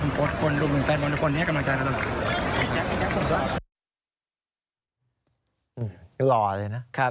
อย่างนี้กำลังใจนะครับ